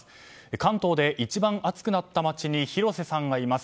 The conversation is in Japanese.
関東で一番暑くなった町に広瀬さんがいます。